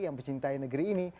yang mencintai negeri ini